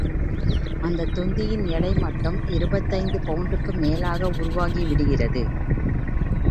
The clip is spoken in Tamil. அந்தத் தொந்தியின் எடை மட்டும் இருபத்தைந்து பவுண்டுக்கு மேலாக உருவாகிவிடுகிறது.